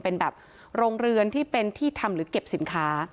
เป็นแบบโรงเรือนที่เป็นที่ทำหรือเก็บสินค้า